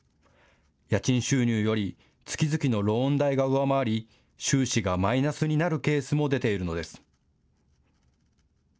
家賃収入より月々のローン代が上回り収支がマイナスになるケースも出ているのです。